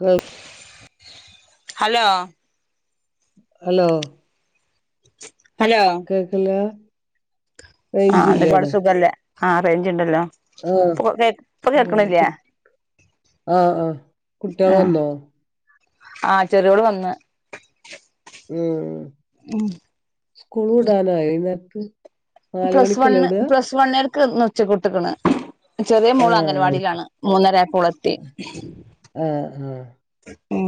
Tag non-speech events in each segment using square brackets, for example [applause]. കേൾ hello hello hello കേക്ക്ല്ലാ ആഹ് എന്തക്കെപാട് സുഖല്ലേ ആഹ് റെയ്ഞ്ച്ണ്ടല്ലോ ആഹ് ഇപ്പൊ കേക് ഇപ്പ സുഖാണ് കു കേൾക്ക്ണ്ല്ലേ ആഹ് ആഹ് കുട്ട്യാള് വന്നോ ആഹ് ചെറിയോള് വന്ന് ഉം ഉം സ്കൂള് വിടാനായോ ഈ നേര്ത്ത് പ്ലസ് വണ്ണ് പ്ലസ് വണ്ണാര്ക്ക് ഇന്ന് ഉച്ചക്കുട്ട്ക്ണ് ചെറിയ മോള് ആഹ് അംഗൽവാടീലാണ് മൂന്നരായപ്പോ ഓളെത്തി ആഹ് ആഹ് ഉം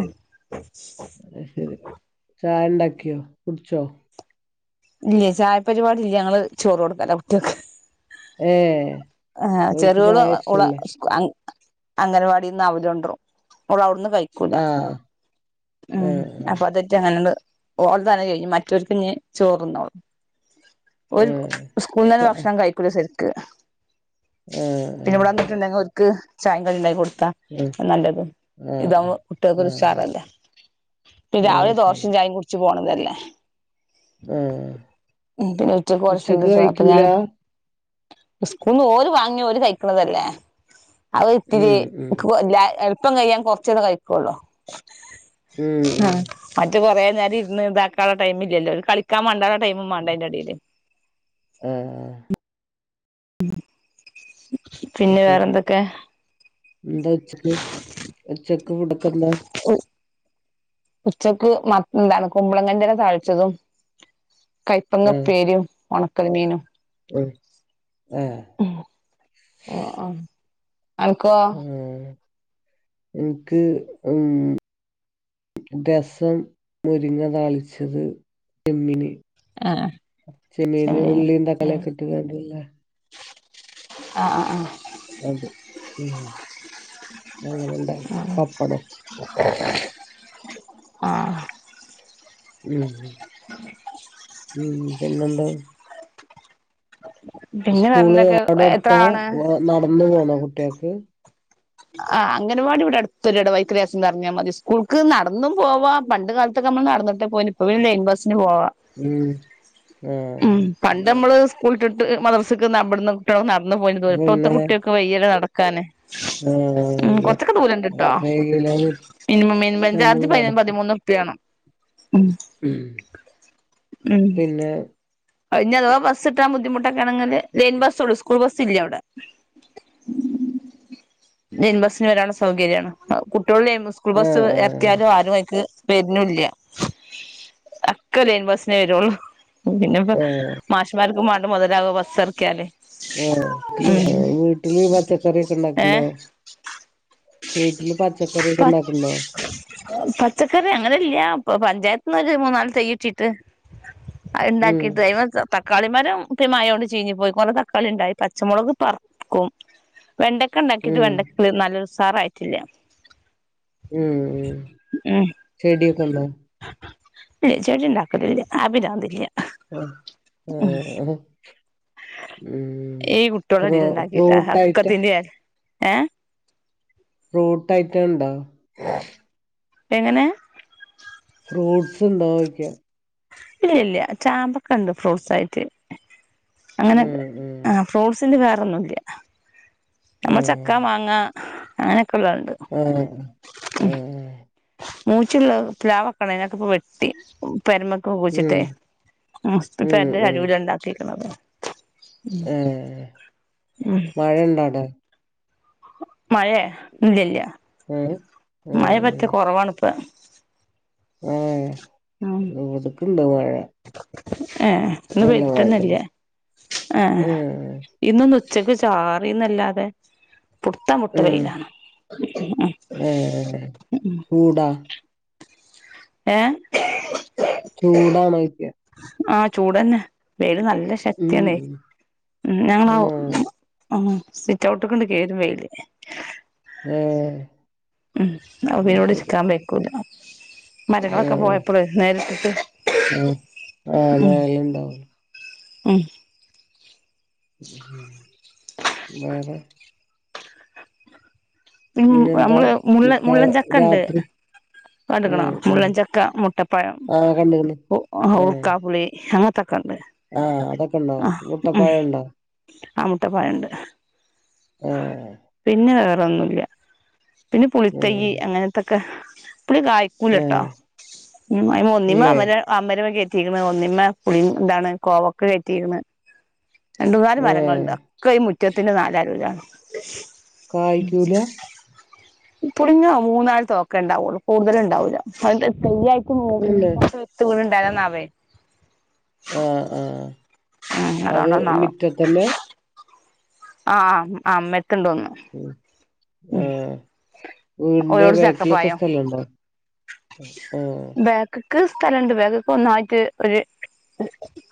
അഅ്ശെരി ചായണ്ടാക്ക്യോ കുട്ച്ചോ ഇല്ല്യേ ചായ പരിപാടില്ല ഞങ്ങള് ചോറൊട്ക്കലാ കുട്ട്യാക്ക് ഏഹ് ആഹ് ഓൽക്ക് ചെറോള് ചായ ഓള് ഇഷ്ടല്ലേ അംഗ് അംഗൽവാടീന്ന് അവലാെണ്ട്രും ഓള് ഔട്ന്ന് കഴി ആഹ് ഉം ആഹ് അപ്പൊ അതേറ്റ് അങ്ങനണ്ട് ഓൾതങ്ങനെ കയ്ഞ്ഞു മറ്റോൽക്ക് ഇഞ്ഞി ചോറ്ന്നോളും ഓല് ആഹ് സ്കൂന്നന്നെ ഭക്ഷണം കഴിക്കൂല സെര്ക്ക് ഉം പിന്നെ ഇവടന്ന്ട്ട്ണ്ടെങ്കി ഓര്ക്ക് ചായിം കടീം ഇണ്ടാക്കി കൊട്ത്താ ആഹ് നല്ലത് ആഹ് ആഹ് ഇതാവുമ്പോ കുട്ട്യാക്കൊര് ആഹ് ഉഷാറല്ലേ പിന്നെ ആഹ് രാവിലെ ദോശിം ശരി ചായിം കുട്ച്ച് പോണതല്ലേ ഉം ഉം പിന്നെ ഉച്ചക്ക് ഓരെ തുള്ളി ചോറാ അപ്പൊ ഞാന് സ്കൂന്ന് ഓല് വാങ്ങിഓല് കഴിക്ക്ണതല്ലേ അഒര്ത്തിരി ഉം ഉം ക്ക്ല്ല എള്പ്പം കയ്യാൻ കൊറച്ചാെര് കഴിക്കൊള്ളൂ ഉം ഉം ആഹ് മറ്റേ കാെറേ നേരം ഇര്ന്ന് ഇതാക്കാള്ള ടൈം ഇല്ലല്ലോ ഓൽക്കളിക്കാൻ മണ്ടാള്ള ടൈമും മാണ്ട് ണ്ടെഅയ്ന്റെടീല് ഉം [inaudible] അഅ്സെര്യാ വേറെന്തൊക്കെ എന്താ ഉച്ചക്ക് ഉച്ചക്ക് ഫുഡൊക്കന്താ ഉച്ചക്ക് മ എന്താണ് കുമ്പളങ്ങന്റെല താൾച്ചതും കൈപ്പങ്ങ ഉപ്പേരിം ഒണക്കൽ മീനും ഉം ഏഹ് [unintelligible] ഉം ഇൻക്ക് ഉം രസം മുരിങ്ങ താൾച്ചത് ചെമ്മീന് ആഹ് ചെമ്മീന് ഉള്ളീം തക്കാളി ഒക്കെ ഇട്ട്കാണ്ട്ള്ള അഹ് അഹ് ആഹ് അത് ഉം. അങ്ങനെണ്ടാക്കി പപ്പടോം. ആഹ് ഉം. ഉം പിന്നെന്താ? പിന്നെ സ്കൂള് വേറെന്തൊക്കെ എത്ര അവിടെടുത്താ? ആളാണ് നടന്ന് പോണോ കുട്ടിയാൾക്ക്? ആഹ്. അംഗൻവാടി ഇവിടെ അടുത്തൊരു ഇടവഴി. ലേസംന്നറങ്ങിയാ മതി. സ്കൂൾക്ക് നടന്നും പോവാം, പണ്ട് കാലത്തൊക്കെ നമ്മള് നടന്നിട്ട പോയിന്, ഇപ്പോ ലൈൻ ബസിന് പോവ. ഉം. ഏഹ് ശരി. സ്കൂള്ട്ട്ട്ട് മദർസക്ക് ബടന്ന് കുട്ടികൾ നടന്നു പോയിനി ദൂരം, ഇപ്പഴത്തെ കുട്ടിയാക്ക് വയ്യല്ലോ നടക്കാന്. ഉം. ഉം. കൊറച്ചൊക്കെ ദൂരംണ്ട്ട്ടോ. കിലോമീറ്റർ മിനിമം മിനിമം നമ്മൾ ചാർജ് പ നടക്കും പതിമൂന്ന് ഉറുപ്യാണം. ഉം. പിന്നെ. അത്ഞ്ഞഥവാ ബസ്സ്ട്ടാൻ ബുദ്ധിമുട്ടൊക്കേണെങ്കിൽ ലൈൻ ബസ്സൊള്ളൂ, സ്കൂൾ ബസ്. ച്ചില്ലവടെ. ലൈൻ ബസ്സിന് വരാള്ള സൗകര്യാണ്. കുട്ടികള് ലൈൻ, സ്കൂൾ ബസ് ആഹ് ആഹ് എറക്ക്യാലും ആരും അയിക്ക്. വരുന്നുല്ല. ഒക്കെ ലൈൻ ബസ്സിനെരും. പിന്ന ഏഹ് മാർക്കും മാണ്ടേ മൊതലാക ബസ്സറക്കിയാൽ. ആഹ്. വീട്ടിൽ പച്ചക്കറി ഒക്കെ ഏ ഉണ്ടാക്ണ്ടൊ? വീട്ടില് പച്ചക്കറിക്കെ പ ഉണ്ടാക്ക്ണ്ടോ? പച്ചക്കറി, അങ്ങനെല്ല. ഇപ്പ പഞ്ചായത്തിന്ന് ഒരു മൂന്നാല് തൈയ്യിട്ടിട്ട്. അതിണ്ട - ഉം തക്കാളിമരം ഇപ്പി മയോണ്ട് ചീഞ്ഞപോയി. കൊറെ തക്കാളി ഉണ്ടായി. പച്ചമുളക് പറ. റക്കും. വെണ്ടക്ക ഉണ്ടാക്കിട്ട് ഉം വെണ്ടക്ക നല്ലൊരുസാറായിട്ടില്ല. ഉം ഉം. ചെടിയൊക്കെണ്ടോ? ഇല്ല. ചെടിണ്ടാക്കലില്ല. ആ പിരാന്തില്ല. ഉം. ഹു ഹും. ഉം. ഈ ഫ്രോ കുട്ടികളെടയിൽ ഫ്രൂട്ടയിറ്റം.? ഏഹ് ഫ്രൂട്ട് ഐറ്റംണ്ടോ? എങ്ങനെ? ഫ്രൂട്ട്സ് ഉണ്ടോയിക്ക? ഇല്ലല്ല. ചാമ്പക്കണ്ട് ഫ്രൂട്ട്സ് ആയിട്ട്. അങ്ങനെ ഉം ഉം ആഹ് ഫ്രൂട്ട്സിൻ്റെ വേറൊന്നുല്ല. നമ്മൾ ആഹ് ചക്ക മാങ്ങ അങ്ങനെയൊക്കെ ഉള്ളത്ണ്ട്. ഏഹ് ഏഹ് മൂച്ചിള്ള പ്ലാവെക്കണ്ന അക് ഇപ്പ വെട്ടി പെരമക് കു ഉം കുച്ചിട്ട് ഇപ്പ ഉം പെര്ന്റെ ഉം ചരുല ണ്ടാക്കിക്കണത്. ഏഹ് ഉം മഴണ്ടാടെ? മയേ ഇല്ലല്ല ഏഹ് മയ പറ്റ ഏഹ് കൊറവാണ്പ്പ ഏഹ് ഇവ്ടുക്ണ്ട് മഴ ഏഹ് ഇന്ന് നല്ല മഴ പെയ്തിട്ടന്നല്ല ഏഹ് ഉം ഇന്നൊന്ന് ഉച്ചക്ക് ചാറീന്നല്ലാതെ പുടുതംവ്ട്ട ഉം വയിലാണ് ഉം ഉം കൂട ഏഹ് ചൂടാണയ്ക്ക? ആഹ് ചൂടന്നെ വെയ്ല് നല്ല ഉം ശക്തിണ്ടേ ഉം ഞങ്ങവും അഹ് സിറ്റ്ഔട്ട് ക്കെണ്ട് കേറും വയ്ല് ഏഹ് ഉം അപ്പപിനോട് ചിക്കാൻ വയ്ക്കൂല മരങ്ങളൊക്കെ പോയപ്പളെ നേരിട്ടിട്ട് ആഹ് ആതല്ല യ്ണ്ടാവ ആഹ് വേറെ തിം പിന്നെന്താ അമ്മള് മുള്ള ക്ക മുള്ളൻചക്കണ്ട്. രാത്രി കണ്ട്ക്ണോ ഉം ഉം മുള്ളഞ്ചക്ക മുട്ടപ്പഴം ആ കണ്ട്ക്ക്ണ് ഊർക്കാപ്പുളി അങ്ങനത്തൊക്കെണ്ട്. ആഹ് അതൊക്കെ ഉണ്ടോ മുട്ടപ്പയംണ്ടോ? ആഹ് മുട്ട പയണ്ട് ഏഹ് പിന്നെ വേറെന്നുല്ല പിന്നെ ആ പുളിതൈയ്യ് അങ്ങനത്തൊക്കെ പുളി ആ കായ്ക്കൂലട്ടോ ഒന്നിമ ഇല്ലേ അമരെനൊ അമരോ കേറ്റിക്ണ് ഒന്നിമ്മ പുളി എന്താണ് കോവക്ക കേറ്റിക്ണ്. രണ്ടുൂന്നാല് ആ മരങ്ങൾണ്ട് ഒക്കെ ഈ മുറ്റത്തിന്റെ നാലരൂലാണ് കായ്ക്കൂല? പുളിങ്ങാ ഊന്നാഴത്തൊക്കെ ഉണ്ടാവുള്ളൂ കൂടുതലും ഉണ്ടാവൂല അ തെയ്യായി ക്കു പിന്നെ [inaudible] ണ്ടായിരന്നാവേ ആഹ് ആഹ് ഉം അത് അതുകൊണ്ടന്നാവാം മിറ്റത്തന്നെ? ആഹ് ആഹ് ആമ്മെത്തണ്ടോന്നു ഏഹ് വീടിന്റെ ഓരോട് ബേക്ക്ൽക്കെ ചക്കപ്പായം സ്ഥലുണ്ടോ? ആഹ് ക്ക്ക് സ്ഥലംണ്ട് വേഗക് ഒന്നായിട്ട് ഒരു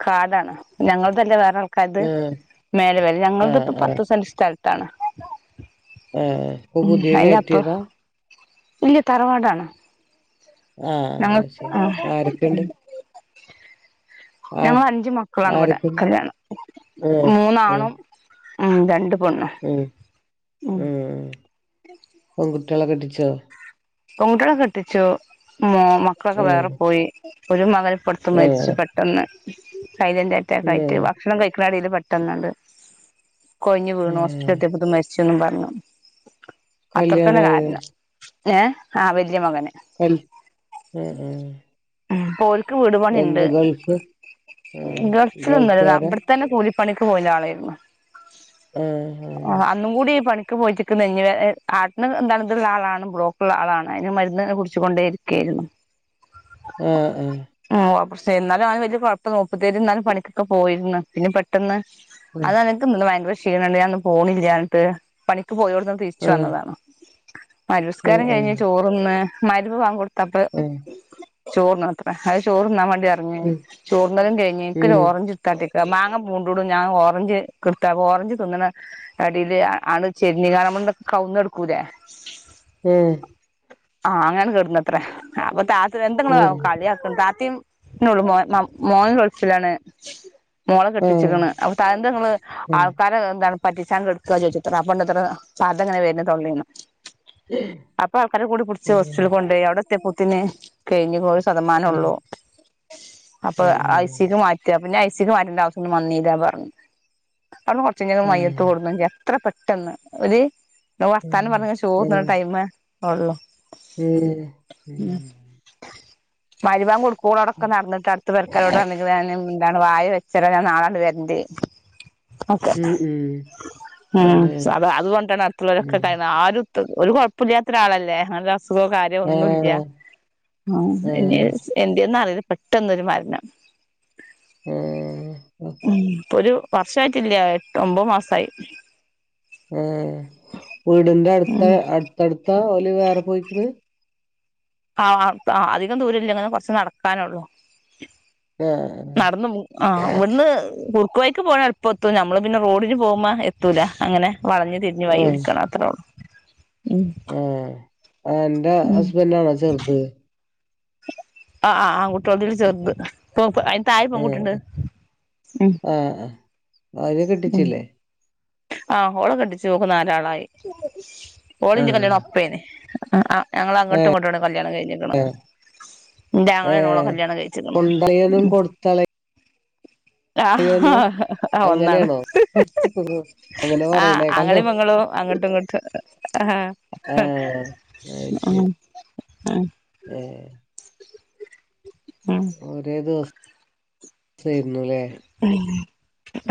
കാടാണ് ഞങ്ങൾതല്ലെ വേറാൾ കത് ആഹ് മേലവല ഞങ്ങളത് ആഹ് ഇപ്പ ആഹ് പത്ത് സെന്റ് സ്ഥലത്താണ്. ഏഹ് ഇപ്പൊ ഉം അയിന്റെ അപ്പറം പുതിയേകെറ്റിതാ? ഇല്ല തറവാടാണ്. ഞങ്ങൾ ആഹ് ശെരി ആഹ് ആരൊക്കെണ്ട്? ആ ഞങ്ങൾ അഞ്ചു മക്കളാണ് ഇവിടെ ആരൊക്കെണ്ട്? കല്യാണം ആഹ് മൂന്നാണും ഉം രണ്ട് പെണ്ണും ഉം ഉം പെൺകുട്ടിളെ കെട്ടിച്ചോ? പെൺകുട്ട്യളെ കെട്ടിച്ചു മ് മക്കളൊക്കെ വേറെ ആഹ് പോയി ഒരു മകൻ പടുത്ത് മരിച് ആഹ് പെട്ടന്ന് സൈലന്റ്റ്റാക്കയിട്ട് ആഹ് ഭക്ഷണം കഴിക്ണ എടെൽ പെട്ടന്നണ്ട് കൊഴഞ്ഞു വീണു ഹോസ്പിറ്റല് ആഹ് എത്തിയപൊ മരിച്ചൊന്നും പറഞ്ഞു അത്രത്തന്നെ കല്യാണായോ? കാരണം. ഏഹ് ആഹ് വെലിയ മകന്. എൽ അഹ് അഹ് പോൽക്ക് വീട്പണിണ്ട് ഗൾഫ്? ആഹ് ഗൾഫിലൊന്നല്ല ഗൾഫുകാരാ? അവിടെത്തന്നെ കൂലി പണിക്ക് പോയിനെ ആളായിന്നു. ആഹ് ഏഹ് ഇന്നും കൂടി ഈ പണിക്ക് പോയിറ്റിക്ക് നെഞ്ചുവേദന ഹാർട്ടിൻ ഇതള ആളാണ് ബ്ലോക്ക് ഉള്ള ആളാണ് അതിന് മരുന്നിനെ കുറിച്ചു കൊണ്ടേ ഇരിക്കായിരുന്നു ആഹ് ആഹ് [unintelligible] എന്നാലും അവന് വലിയ കുഴപ്പം മുപ്പത്തിയാർ എന്നാലും പണിക്കൊക്കെ പോയിരുന്നു പിന്നെ പെട്ടെന്ന് ആഹ് പെട്ടെന്ന് അതക്ക് ഭയങ്കര ക്ഷീണണ്ട് ഞാൻ ഇന്ന് പോണില്ല എന്നട്ട് പണിക്ക് പോയോട് തിരിച്ചു ആഹ് വന്നതാണ് മഗ്‌രിബ് ആഹ് നിസ്കാരം ആഹ് കഴിഞ്ഞ് ചോറുന്നു മഗ്‌രിബ് ബാങ്ക് കൊടുത്തപ്പോ ആഹ് ചോറിന്നത്ര അത് ചോറ്ന്നാൻ വേണ്ടി ഇറങ്ങിയിൻ ഉം ചോറ്ന്നാലും കഴിന്ന് എനിക്ക് ഒരു ഉം ഓറഞ്ച് കാട്ടിക മാങ്ങ പൂണ്ടടും ഞാൻ ഓറഞ്ചക്ക്ദത്ത ഓറഞ്ച് തിന്നണ അടിൽ ആണ് ചെരിഞ്ഞ്കാൺ നമ്മൾ കാവുന്ന് കെടുക്കൂലേ ഏഹ് ആഹ് അങ്ങനാണ് കേടുന്നത്രേ അപ്പൊ താത്ത എന്തെ ആഹ് കളിയാക്കും താത്തിം നാനെയുള്ളൂ മോൻ മോ മോൻ ഗൾഫിലാണ് മോളെ ആഹ് കെട്ടിച്ചിരിക്കണ് അപ്പൊ തങ്ങള് ആഹ് ആൾക്കാരെ എന്താണ് പറ്റിച്ചാൻ കിടക്കുക ചോദിത്ര അപ്പൊണ്ട്ത്ര പത ഇങ്ങനെ വരുന്ന് തൊള്ളായിന്ന് ആഹ് അപ്പൊ ആൾക്കാരെ കൂടി പിടിച്ച് ഹോസ്പിറ്റൽ വീടിന്റെ കൊണ്ട് പോയി അവിടെത്തെപൂത്തിന് കഴിഞ്ഞ് [unintelligible] ശതമാനം ഒള്ളൂ അപ്പൊ ഐ സി ക്ക് മാറ്റ പിന്നെ ഐ സിക്ക് മാറ്റേണ്ടെ ആവശ്യം ഒന്നും വന്നീല പറഞ്ഞു. അവിടെനിന്ന് കൊറ് ച്ചയ്ഞ്ഞപ്പം മയ്യത്ത് കൊടുന്നു എത്ര പെട്ടെന്ന് ഒരു വർത്താനം പറഞ്ഞ് ചോറുന്ന്ണ ടൈമ് ഉള്ളു ഉം മഗ്‌രിബ് ബാങ്ക് കൊട് [unintelligible] നടന്നിട്ട് അട്ത്ത് പെരക്കാരോട് പറഞ്ഞ്ക്ക്ണ് ഞാൻ എന്താണ് വായ വെച്ചെര ഞാൻ നാളെ ഇങ്ങട്ട് വെരണ്ട് ഒകെ ഉം അത് അതുകൊണ്ടാണ് അടുത്തുള്ളവരൊക്കെ [unintelligible] ആരും ഒരു കൊഴപ്പില്ലാത്ത ഒരാളല്ലേ അങ്ങനരു അസുഖോ കാര്യോ ഒന്നുല്ല ആ ഇനി എന്ത്യന്നറീല. പെട്ടൊന്നൊരു മരണം [unintelligible] ഉും. ഇപ്പൊ ഒരു വർഷയിട്ടില്ല. എട്ട് ഒമ്പത് മാസമായി. ഏ വീടിന്റെ അടുത്താ ഉം അടുത്ത്ടുത്താ ഓല് വേറെ പോയിക്ക്ണ്. ആഹ് താ അധികം ദൂരല്ല്യ. ഇങ്ങനെ കൊറച്ച് നടക്കാനള്ളു. ആ നടന്ന്പോവും ആഹ് ഇവട്ന്ന്പോവും കുവയ്ക്ക് പോണ് എല്ല്പം എത്തും. നമ്മള് പിന്നെ റോഡിന് പോവുമ്മ എത്തൂല്ല അങ്ങനെ വളഞ്ഞ തിരിഞ് ഞ് വഴിട്ക്കണം അത്രള്ളൂ. ഉും ആഹ് അന്റെ ഹസ്ബൻഡ് ആണോ ചെറ്ത്? ആഹ് ആഹ് ആങ്കുട്യോതില് ചേർത് ഇപ്പോപ് എൻ് തായെ ആ പെൺകുട്ടിണ്ട് ഉം ആ ആ. അവര് ഉം. കെട്ടിച്ചില്ലേ ആഹ് ഓളെ കെട്ടിച്ച് ഓൾക്ക് നാലാളായി ഓളേം ആ ഇന്റെ കല്യാണം ഒപ്പേനി ആ ആ. ഞങ്ങള് അങ്ങട്ടും ഇങ്ങട്ടും ആണ് കല്യാണം കഴിഞ്ഞിക്ക്ണ്. ന്റെ ഏ ആങ്ങളേണ് ഓളെ കല്യാണം കഴിച്ചിക്ക്ണ് കൊണ്ടളയനും മ്. കൊടുത്തളയനും ആഹ് ആ ഒന്നാണ് അങ്ങനെയാണോ അങ്ങനെ ആ പറയണേക്കാലോ ആങ്ങളിം പെങ്ങളും അങ്ങട്ടും ഇങ്ങട്ടും ആഹ്. ഏ അത് ശെരി. ആഹ്. ഏഹ്. മ്. ഒരേ ദിവസ് സേര്ന്നുല്ലേ. മ്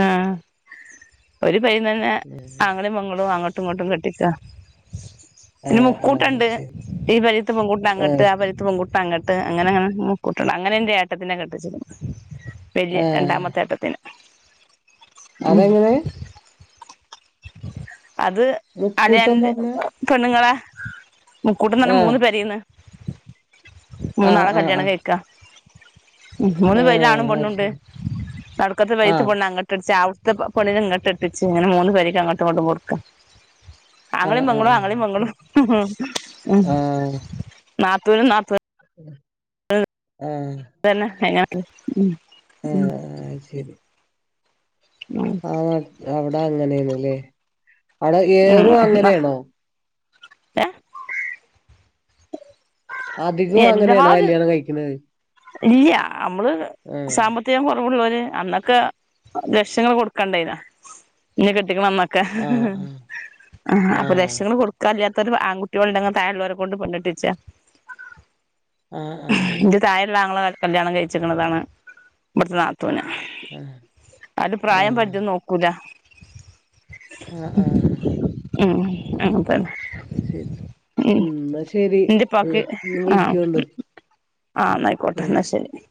ആ ഒര് പെരെന്നന്നെ ആഹ് ആങ്ങളീം പൊങ്ങളും അങ്ങോ ഇങ്ങോട്ടും കെട്ടിച്ചാ പിന്നെ ആഹ് ആഹ് മുക്കൂട്ടണ്ട് ശരി ഈ പെരീത്തെ പെൺ കുട്ട്ന അങ്ങ്ട്ട് ആഹ് പേരീത്ത പെൺകുട്ട് അങ്ങ്ട്ട് അങ്ങനെ ഇങ്ങനെ മൂക്കൂട്ടണ്ട് അങ്ങനെ എന്റെ ഏട്ടത്തിനെ കെട്ടിച്ച്ക്ക്ണ് ഏഹ് ഏട്ടത്തിനെ അതെങ്ങനെ അത് മുക്കൂട്ടം അളിയൻ്റെ പറഞ്ഞ പെണ്ണ്ങ്ങളെ മുക്കൂട്ട്ന്നെനെ ആഹ് മൂന്ന് പെരേന്ന് ആഹ് മൂന്നാളെ ആഹ് കല്യാണം ആഹ് കഴിക്ക മൂന്ന് പെരേല് ആണും ആഹ് അത് പൊണ്ണുണ്ട് ശരി നടുക്കത്തെ പെരേത്തെ ആഹ് പെണ്ണ് അങ്ങ ട്ടെടിച്ച അവിട്ത്തെ പെണ്ണിനെ ഇങ്ങോട്ടെട്ടിച്ച് അങ്ങനെ മൂന്ന് പേരേക്ക് അങ്ങോട്ടും ഇങ്ങോട്ടും കൊടുക്കാ ആഹ് ആങ്ങളെം പെങ്ങളും ആഹ് ആങ്ങളെം ആഹ് ശരി പെങ്ങളും ഉം നാത്തൂനും നാത്തുനും ഉം ഏ ഇതന്നെ എങ്ങ [unintelligible] ഏഹ് ആയ് ശെരി ഉം ആ അവിടെ അങ്ങനെയേന്ന്ല്ലേ അവിടെ ഏറും അങ്ങനേണോ ഏഹ് അധികവും അങ്ങനെയാണോ എല്ലാരും കല്യാണം കഴിക്കണത് ഇല്ല നമ്മള് ആഹ് സാമ്പ ത്തികം കുറവുള്ളോര് അന്നൊക്കെ ലക്ഷങ്ങൾ കൊടുക്കണ്ടായ്നോ ഇന്നെ കെട്ടിക്കണ അന്നൊ ക്കെ ആഹ് ആ ആഹ് അപ്പൊ ലക്ഷങ്ങൾ ആഹ് കൊടു ക്കാല്ലാത്തോര് ആൺകുട്ടികൾ ഉണ്ടെങ്കി താഴെയുള്ളവരെ കൊണ്ട് പെണ്ണ് കെട്ടിച്ച ആഹ് ആഹ് ഇന്റെ തായള്ളാങ്ങള ക കല്യാണം കഴിച്ചിക്ക്ണതാണ് ഇവിടുത്തെ നാത്തുനെ ആഹ് അത് പ്രായം ആഹ് പറ്റോ നോക്കൂല ആഹ് ആഹ് ഉം ഉം അങ്ങനെതന്നെ ശരി ഉം ഇന്നാ ശരി ഇന്റെപ്പാക്ക് ഇനിം ആഹ് വിളിക്കോണ്ടു ആഹ് ഇന്ന അയിക്കോട്ടെ ഏഹ് ഇന്നാ ശരി